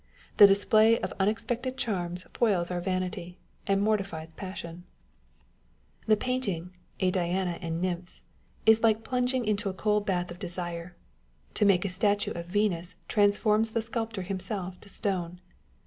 The display of unex pected charms foils our vanity, and mortifies passion. The 15fi On Sitting for Ones Picture. painting " A Diana and Nymphs " is like plunging into a cold bath of desire : to make a statue of a " Venus" trans forms the sculptor himself to stone.